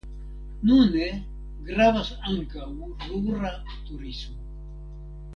Nune gravas ankaŭ rura turismo.